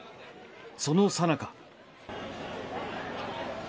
そのさなか。